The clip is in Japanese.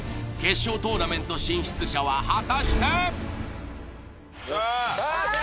決勝トーナメント進出者は果たして？